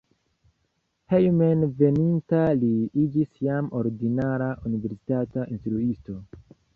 Hejmenveninta li iĝis jam ordinara universitata instruisto.